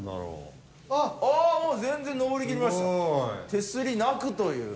手すりなくという。